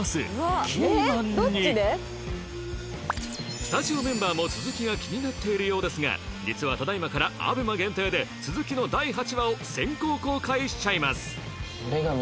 スタジオメンバーも続きが気になっているようですが実はただ今から ＡＢＥＭＡ 限定で続きの第８話を先行公開しちゃいます